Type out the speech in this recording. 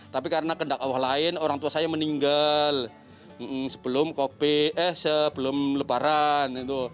tapi karena kendak awal lain orang tua saya meninggal sebelum lebaran